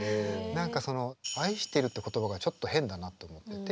何かその愛してるって言葉がちょっと変だなって思ってて。